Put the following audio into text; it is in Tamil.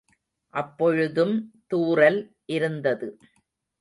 அப்பொழுதும் தூறல் இருந்தது.